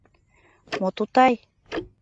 Мо тутай?